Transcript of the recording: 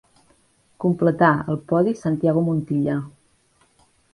Completà el podi Santiago Montilla.